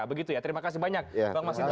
begitu ya terima kasih banyak bang mas hinton